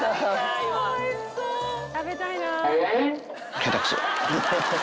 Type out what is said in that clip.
下手くそ！